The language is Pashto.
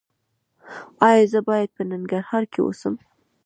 ایا زه باید په ننګرهار کې اوسم؟